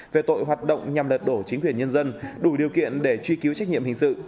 về tội hoạt động nhằm lật đổ chính quyền nhân dân đủ điều kiện để truy cứu trách nhiệm hình sự